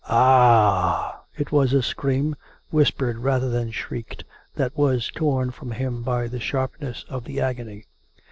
" Ah h h !"... It was a scream, whispered rather than shrieked, that was torn from him by the sharpness of the agony.